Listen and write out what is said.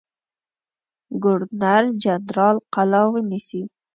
ګورنر جنرال قلا ونیسي.